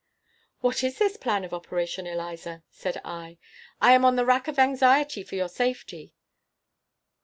"What is this plan of operation, Eliza?" said I. "I am on the rack of anxiety for your safety."